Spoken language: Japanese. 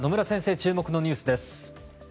注目のニュースです。